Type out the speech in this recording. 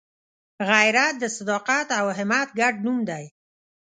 غیرت د صداقت او همت ګډ نوم دی